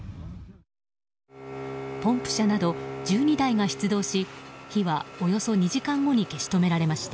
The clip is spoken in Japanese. ポンプ車など１２台が出動し火はおよそ２時間後に消し止められました。